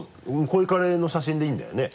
こういうカレーの写真でいいんだよね？